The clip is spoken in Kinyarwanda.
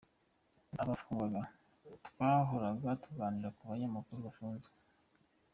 Abafungwaga : Twahoraga tuganira ku banyamakuru bafunzwe.